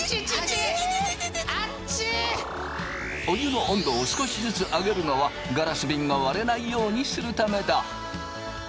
お湯の温度を少しずつ上げるのはガラスびんが割れないようにするためだ。